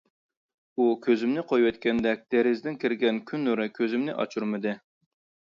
ئۇ كۆزۈمنى قويۇۋەتكەندە دېرىزىدىن كىرگەن كۈن نۇرى كۆزۈمنى ئاچۇرمىدى.